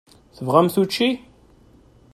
Tebɣamt učči?